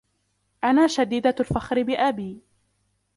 أنا شديدة الفخر بأبي.